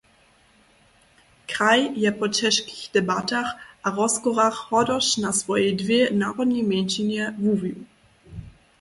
Kraj je po ćežkich debatach a rozkorach hordosć na swojej dwě narodnej mjeńšinje wuwił.